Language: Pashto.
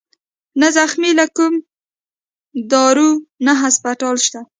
نه زخمى له کوم دارو نه هسپتال شت